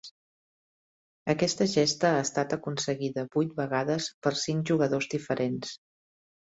Aquesta gesta ha estat aconseguida vuit vegades per cinc jugadors diferents.